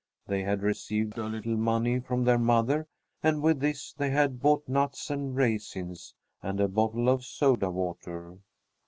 They had received a little money from their mother, and with this they had bought nuts, raisins, and a bottle of soda water.